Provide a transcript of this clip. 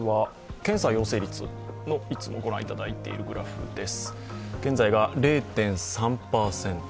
検査陽性率のいつも御覧いただいているグラフです。